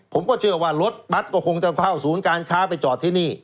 ผมก็เชื่อว่ารถบัตรก็คงจะเข้าศูนย์การค้าไปจอดที่นี่